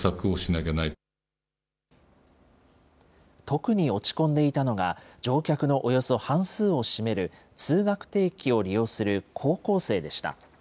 特に落ち込んでいたのが、乗客のおよそ半数を占める、通学定期を利用する高校生でした。